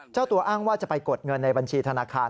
เจ้าตัวอ้างว่าจะไปกดเงินในบัญชีธนาคาร